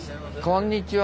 こんにちは。